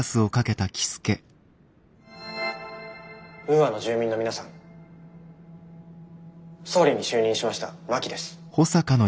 ウーアの住民の皆さん総理に就任しました真木です。